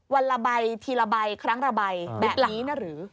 วันระบายทีระบายครั้งระบายแบบนี้น่ะหรือ